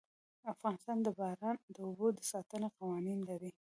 افغانستان د باران د اوبو د ساتنې قوانين لري.